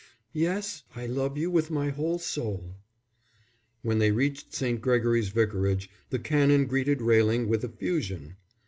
"Yes, I love you with my whole soul." When they reached St. Gregory's Vicarage, the Canon greeted Railing with effusion.